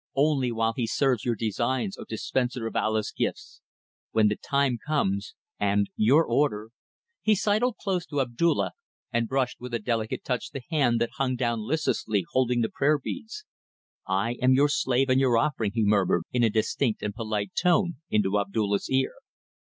Only while he serves your designs, O Dispenser of Allah's gifts! When the time comes and your order ..." He sidled close to Abdulla, and brushed with a delicate touch the hand that hung down listlessly, holding the prayer beads. "I am your slave and your offering," he murmured, in a distinct and polite tone, into Abdulla's ear.